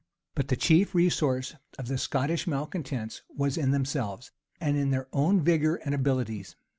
But the chief resource of the Scottish malecontents was in themselves, and in their own vigor and abilities.